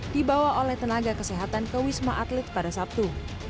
dibawa oleh tenaga kesehatan ke wisma atlet pada sabtu